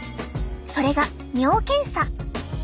それが尿検査。